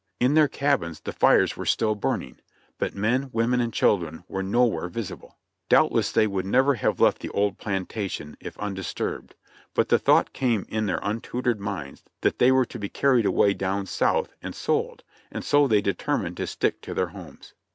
In their cabins the fires were still burning, but men, women and children were nowhere visible. Doubtless they would never have left the old plantation if undis turbed, but the thought came in their untutored minds that they were to be carried away down South and sold, and so they deter mined to stick to their homes.